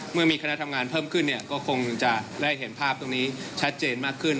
เมื่อมีคณะทำงานเพิ่มขึ้นเนี่ยก็คงจะได้เห็นภาพตรงนี้ชัดเจนมากขึ้น